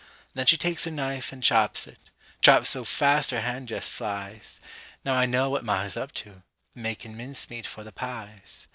Then she takes her knife an' chops it, Chops so fast her hand jest flies. Now I know what ma is up to Makin' mincemeat for the pies.